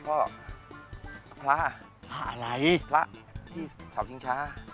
พระพระที่เสาชิงชาอะไร